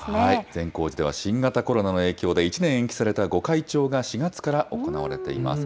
善光寺では新型コロナの影響で、１年延期された御開帳が４月から行われています。